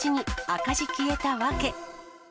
赤字消えた訳。